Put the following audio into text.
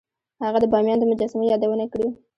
هغه د بامیان د مجسمو یادونه کړې